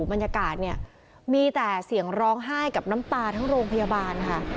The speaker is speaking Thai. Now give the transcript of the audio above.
บรรยากาศเนี่ยมีแต่เสียงร้องไห้กับน้ำตาทั้งโรงพยาบาลค่ะ